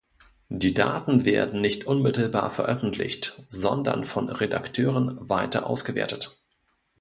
Die Daten werden nicht unmittelbar veröffentlicht, sondern von Redakteuren weiter ausgewertet.